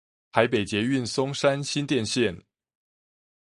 台北捷運松山新店線